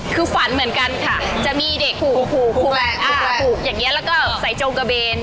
คือฝันเหมือนกันค่ะจะมีเด็กผูกอย่างนี้แล้วก็ใส่จงกระเบน